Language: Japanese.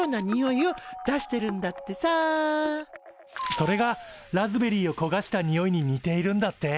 それがラズベリーをこがしたにおいに似ているんだって。